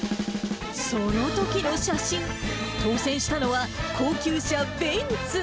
そのときの写真、当せんしたのは高級車、ベンツ。